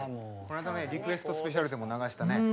リクエストスペシャルでも流したね。